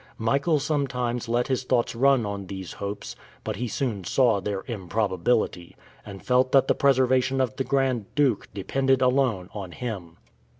Michael sometimes let his thoughts run on these hopes, but he soon saw their improbability, and felt that the preservation of the Grand Duke depended alone on him.